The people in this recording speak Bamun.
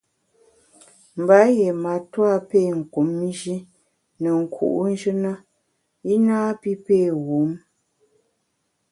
Mba yié matua pé kum Nji ne nku’njù na i napi pé wum.